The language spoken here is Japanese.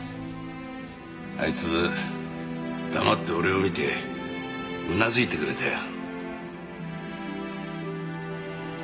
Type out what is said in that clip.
あいつ黙って俺を見てうなずいてくれたよ。